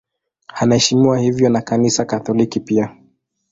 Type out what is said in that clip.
Anaheshimiwa hivyo na Kanisa Katoliki pia.